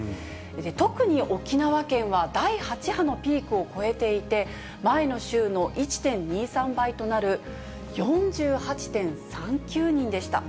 特に沖縄県は第８波のピークを超えていて、前の週の１．２３倍となる、４８．３９人でした。